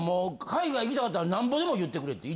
海外行きたかったらなんぼでも言ってくれって。